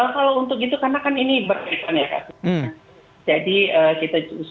kalau untuk gitu karena kan ini berperiksaan ya kak